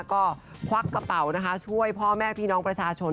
ก็ควักกระเป๋านะคะช่วยพ่อแม่พี่น้องประชาชน